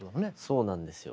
そうなんですよ。